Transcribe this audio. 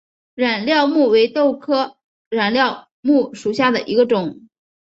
染料木为豆科染料木属下的一个种。